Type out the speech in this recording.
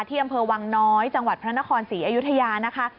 อำเภอวังน้อยจังหวัดพระนครศรีอยุธยานะคะ